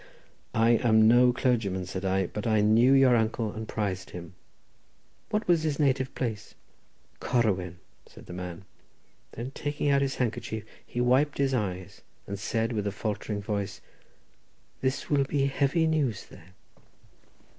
"I am no clergyman," said I, "but I knew your uncle and prized him. What was his native place?" "Corwen," said the man; then taking out his handkerchief, he wiped his eyes, and said with a faltering voice, "This will be heavy news there."